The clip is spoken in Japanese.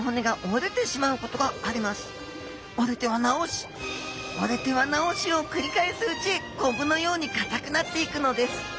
折れては治し折れては治しをくり返すうちコブのようにかたくなっていくのです。